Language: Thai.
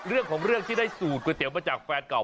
เรื่องของเรื่องที่ได้สูตรก๋วยเตี๋ยวมาจากแฟนเก่า